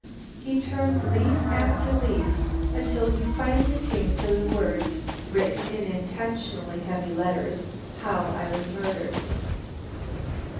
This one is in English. He turned leaf after leaf until he finally came to the words, written in intentionally heavy letters, "How I was murdered."